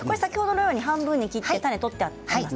半分に切って種が取ってあります。